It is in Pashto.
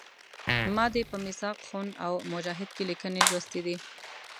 ما دې په میثاق خون او مجاهد کې لیکنې لوستي دي.